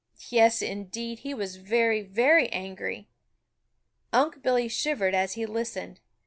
Yes, indeed, he was very, very angry. Unc' Billy shivered as he listened.